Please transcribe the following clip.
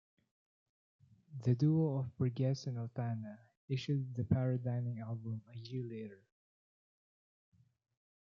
The duo of Burgess and Altana issued the "Paradyning" album a year later.